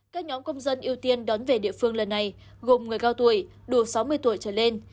các nhóm công dân ưu tiên đón về địa phương lần này gồm người cao tuổi đủ sáu mươi tuổi trở lên